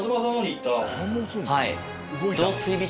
はい。